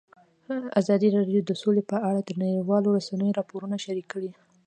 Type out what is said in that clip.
ازادي راډیو د سوله په اړه د نړیوالو رسنیو راپورونه شریک کړي.